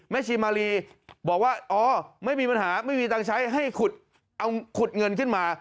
ชีมารีบอกว่าอ๋อไม่มีปัญหาไม่มีตังค์ใช้ให้ขุดเอาขุดเงินขึ้นมา